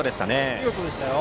見事でしたよ。